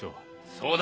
そうだ！